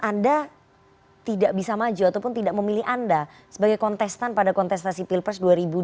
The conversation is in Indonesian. anda tidak bisa maju ataupun tidak memilih anda sebagai kontestan pada kontestasi pilpres dua ribu dua puluh